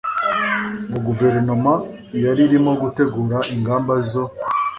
ngo guverinoma yari irimo gutegura ingamba zo